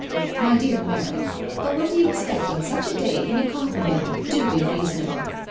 '*" My dear Mary, but what do you expect on such a day in a cotton mill?— do be reasonable."